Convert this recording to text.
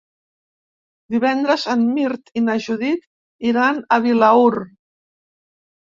Divendres en Mirt i na Judit iran a Vilaür.